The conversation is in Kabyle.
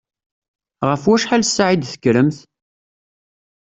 Ɣef wacḥal ssaɛa i d-tekkremt?